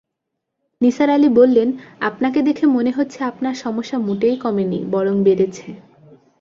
নিসার আলি বললেন, আপনাকে দেখে মনে হচ্ছে-আপনার সমস্যা মোটেই কমেনি-বরং বেড়েছে।